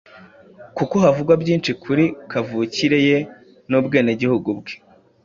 kuko havugwa byinshi kuri kavukire ye n’ubwenegihugu bwe